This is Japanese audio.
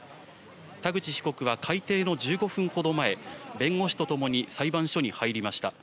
田口被告は開廷の１５分ほど前、弁護士と共に裁判所に入りました。